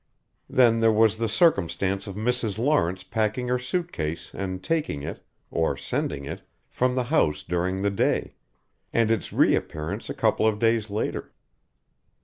Then there was the circumstance of Mrs. Lawrence packing her suit case and taking it, or sending it, from the house during the day and its reappearance a couple of days later.